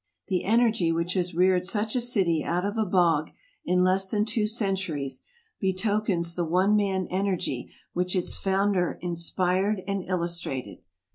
The energy which has reared such a city out of a bog in less than two centuries betokens the one man energy which its founder inspired and illustrated.